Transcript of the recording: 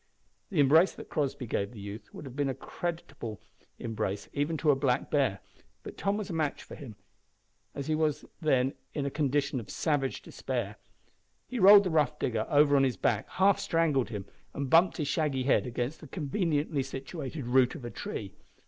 The embrace that Crossby gave the youth would have been creditable even to a black bear, but Tom was a match for him in his then condition of savage despair. He rolled the rough digger over on his back, half strangled him, and bumped his shaggy head against the conveniently situated root of a tree.